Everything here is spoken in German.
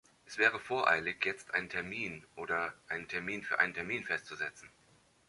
Es wäre voreilig, jetzt einen Termin oder einen Termin für einen Termin festzusetzen.